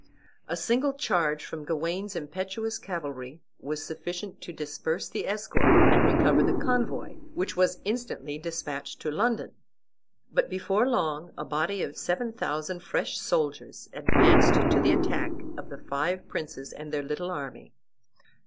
A single charge from Gawain's impetuous cavalry was sufficient to disperse the escort and recover the convoy, which was instantly despatched to London. But before long a body of seven thousand fresh soldiers advanced to the attack of the five princes and their little army.